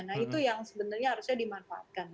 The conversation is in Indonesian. nah itu yang sebenarnya harusnya dimanfaatkan